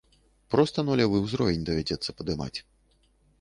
Проста нулявы ўзровень давядзецца падымаць.